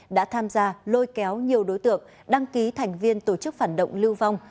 đã tham gia lôi kéo nhiều đối tượng đăng ký thành viên tổ chức phản động lưu vong